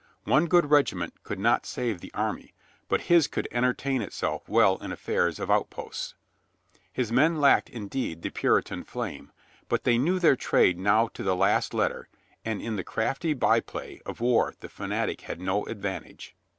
One good regiment could not save the army, but his could entertain itself well in affairs of outposts. His men lacked indeed the Puritan flame, but they knew their trade now to the last letter, and in the crafty by play of war the fanatic had no advantage.